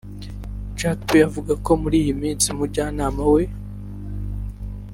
Jack B avuga ko muri iyi minsi umujyanama we